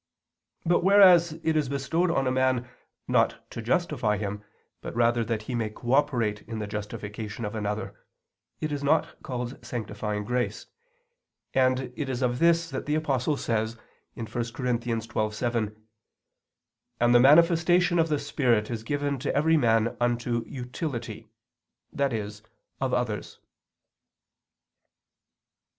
But whereas it is bestowed on a man, not to justify him, but rather that he may cooperate in the justification of another, it is not called sanctifying grace. And it is of this that the Apostle says (1 Cor. 12:7): "And the manifestation of the Spirit is given to every man unto utility," i.e. of others.